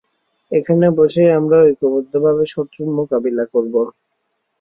এখানে বসেই আমরা ঐক্যবদ্ধভাবে শত্রুর মোকাবিলা করব।